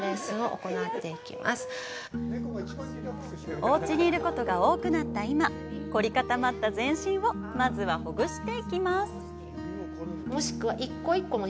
おうちにいることが多くなった今、凝り固まった全身をまずはほぐしていきます。